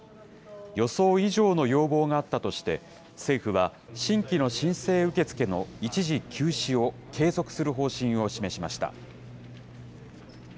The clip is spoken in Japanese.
予想以上の要望があったとして、政府は新規の申請受け付けの一時休止を継続する方針を示しました。